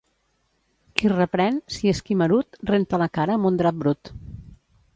Qui reprèn, si és quimerut, renta la cara amb un drap brut.